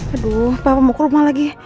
aduh papa mau ke rumah lagi